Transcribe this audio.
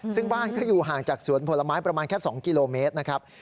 ซึ่งบ้านก็อยู่ห่างจากสวนผลไม้ประมาณแค่๒กิโลเมตรนะครับ